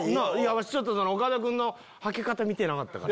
わし岡田君のはけ方見てなかったから。